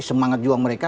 semangat juang mereka